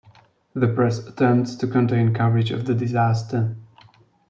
The press attempts to contain coverage of the disaster.